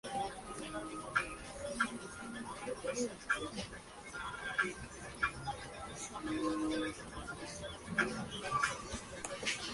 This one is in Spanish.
A estas temperaturas, los aspectos cuánticos son generalmente despreciables.